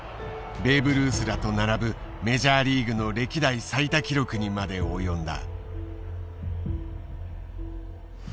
ベーブ・ルースらと並ぶメジャーリーグの歴代最多記録にまで及んだ。